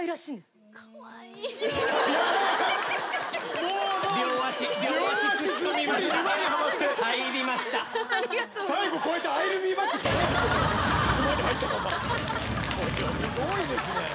すごいですね。